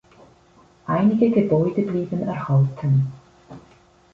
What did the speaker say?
Einige Gebäude blieben erhalten.